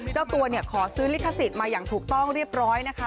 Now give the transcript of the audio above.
เจ้าตัวขอซื้อลิขสิทธิ์มาอย่างถูกต้องเรียบร้อยนะคะ